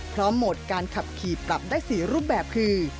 โหมดการขับขี่ปรับได้๔รูปแบบคือ